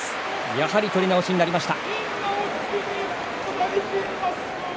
やはり取り直しとなりました。